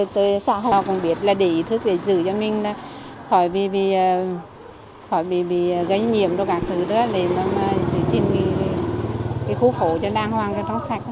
tôi sợ không biết là để ý thức để giữ cho mình khỏi bị gây nhiễm đồ các thứ đó để tìm khu phố cho đàng hoàng cho nó sạch